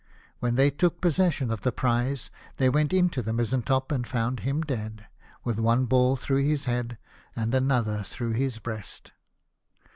When they took possession of the prize they went into the mizentop and found him dead, with one ball through his head and another through his breast.